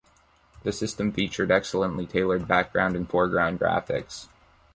The system featured excellently tailored background and foreground graphics.